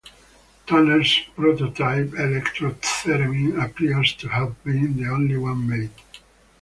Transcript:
Tanner's prototype Electro-Theremin appears to have been the only one made.